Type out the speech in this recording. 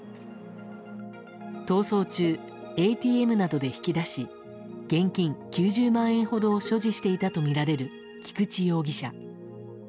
逃走中、ＡＴＭなどで引き出し現金９０万円ほどを所持していたとみられる菊池容疑者。